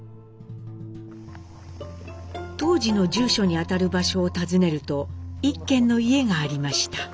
当時の住所にあたる場所を訪ねると１軒の家がありました。